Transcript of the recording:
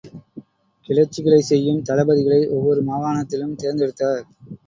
கிளர்ச்சிகளைச் செய்யும் தளபதிகளை ஒவ்வொரு மாகாணத்திலும் தேர்ந்தெடுத்தார்.